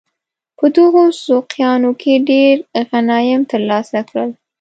په دغو سوقیانو کې ډېر غنایم ترلاسه کړل.